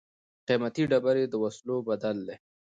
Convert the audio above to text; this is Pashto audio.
قیمتي ډبرې د وسلو بدل دي.